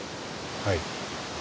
はい。